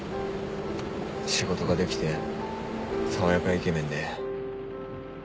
仕事ができて爽やかイケメンで。